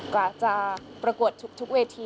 กว่าจะประกวดทุกเวที